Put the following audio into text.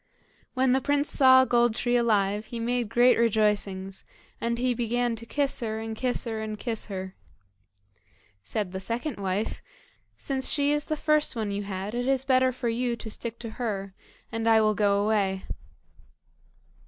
When the prince saw Gold tree alive he made great rejoicings, and he began to kiss her, and kiss her, and kiss her. Said the second wife, "Since she is the first one you had it is better for you to stick to her, and I will go away."